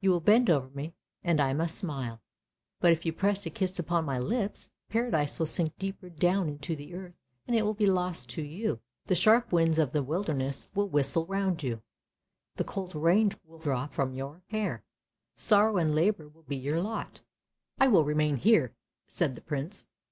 You will bend over me and I must smile, but if you press a kiss upon my lips, Paradise will sink deep down into the earth, and it will be lost to you. The sharp winds of the wilder ness will whistle round you, the cold rain will drop from your hair. Sorrow and labour will be your lot." " I will remain here! " said the Prince.